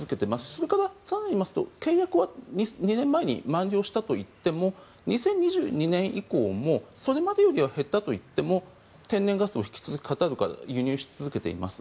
それから更に言いますと契約は２年前に満了したといっても２０２２年以降もそれまでよりは減ったといっても天然ガスを引き続きカタールから輸入し続けています。